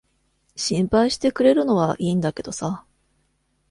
心配してくれるのは良いんだけどさ。